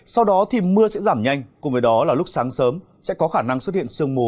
sau đó thì mưa sẽ giảm nhanh cùng với đó là lúc sáng sớm sẽ có khả năng xuất hiện sương mù